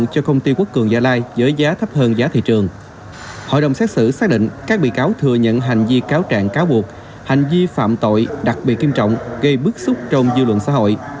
hội đồng xét xử xác định các bị cáo thừa nhận hành vi cáo trạng cáo buộc hành vi phạm tội đặc biệt nghiêm trọng gây bức xúc trong dư luận xã hội